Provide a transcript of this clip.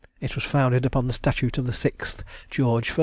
It was founded upon the statute of the 6th George I.